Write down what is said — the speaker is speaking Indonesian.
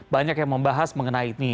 banyak yang membahas mengenai ini